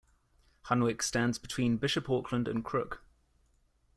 Hunwick stands between Bishop Auckland and Crook.